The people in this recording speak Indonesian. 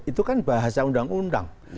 itu kan bahasa undang undang